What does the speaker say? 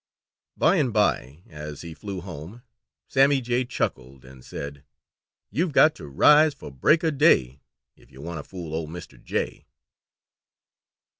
By and by, as he flew home, Sammy Jay chuckled and said: "You've got to rise 'fore break of day If you want to fool old Mr. Jay."